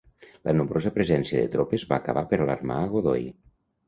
La nombrosa presència de tropes va acabar per alarmar a Godoy.